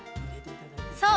そう！